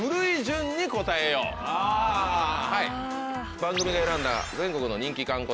番組が選んだ全国の人気観光